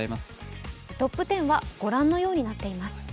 トップ１０はご覧のようになっています。